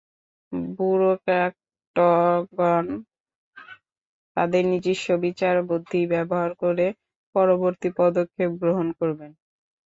ব্যুরোক্র্যাটগণ তাদের নিজস্ব বিচারবুদ্ধি ব্যবহার করে পরবর্তী পদক্ষেপ গ্রহণ করবেন।